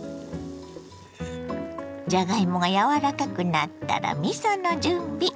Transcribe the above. じゃがいもが柔らかくなったらみその準備。